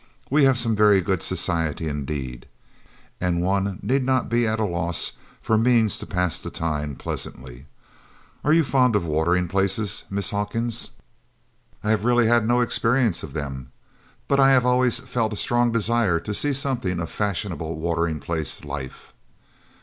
"We have some very good society indeed, and one need not be at a loss for means to pass the time pleasantly. Are you fond of watering places, Miss Hawkins?" "I have really had no experience of them, but I have always felt a strong desire to see something of fashionable watering place life."